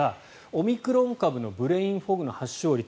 オミクロン株のブレインフォグの発症率